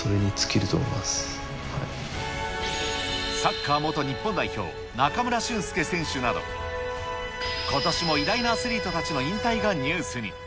サッカー元日本代表、中村俊輔選手など、ことしも偉大なアスリートたちの引退がニュースに。